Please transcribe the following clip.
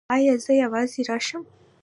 ایا زه یوازې راشم؟